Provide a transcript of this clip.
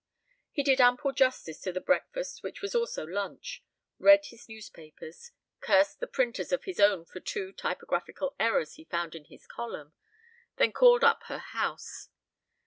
He did ample justice to the breakfast which was also lunch, read his newspapers, cursed the printers of his own for two typographical errors he found in his column, then called up her house.